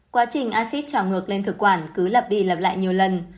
quá trình acid trào ngược lên thực quản cứ lập đi lập lại nhiều lần